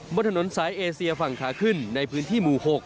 บนถนนสายเอเซียฝั่งขาขึ้นในพื้นที่หมู่๖